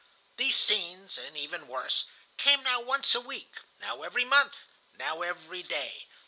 These scenes, and even worse, came now once a week, now every month, now every day.